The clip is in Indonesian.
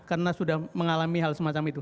karena sudah mengalami hal semacam itu